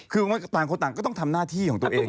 คือต่างคนต่างก็ต้องทำหน้าที่ของตัวเอง